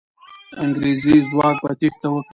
انګریزي ځواک به تېښته وکړي.